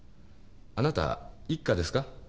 あなた一課ですか？